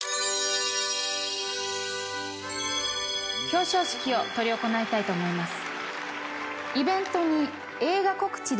表彰式を執り行いたいと思います。